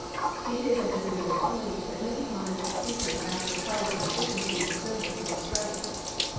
It is at this very point that many honest seekers after power and efficiency in service go astray.